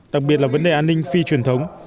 đặc biệt là vấn đề an ninh phi truyền thống